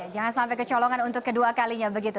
jangan sampai kecolongan untuk kedua kalinya begitu